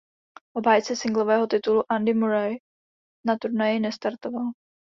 Obhájce singlového titulu Andy Murray na turnaji nestartoval.